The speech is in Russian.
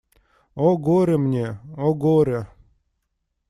О, горе мне… о, горе!